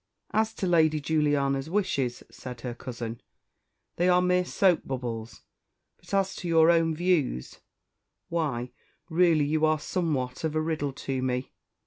"As to Lady Juliana's wishes," said her cousin, "they are mere soap bubbles; but as to your own views why, really you are somewhat of a riddle to me.